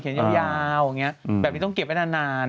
เขียนยาวแบบนี้ต้องเก็บไว้นาน